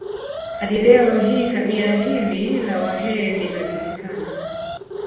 Hadi leo hii kabila hili la Wahee linajulikana